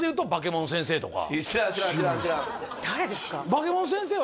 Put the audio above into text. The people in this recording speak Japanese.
バケモン先生は